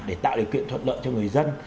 để tạo điều kiện thuận lợi cho người dân